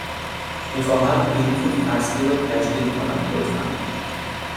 می خواهم بلیط فصلی را تجدید کنم، لطفاً.